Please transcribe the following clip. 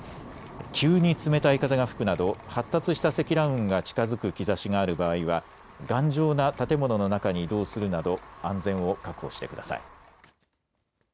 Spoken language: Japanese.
急に冷たい風が吹くなど発達した積乱雲が近づく兆しがある場合は頑丈な建物の中に移動するなど安全を確保してください。